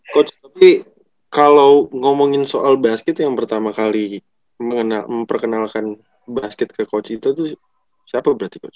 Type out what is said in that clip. coach tapi kalau ngomongin soal basket yang pertama kali memperkenalkan basket ke coach itu siapa berarti coach